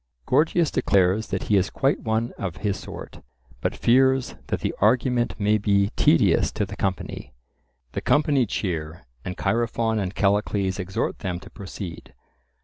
Gorgias declares that he is quite one of his sort, but fears that the argument may be tedious to the company. The company cheer, and Chaerephon and Callicles exhort them to proceed.